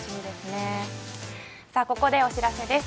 ここでお知らせです。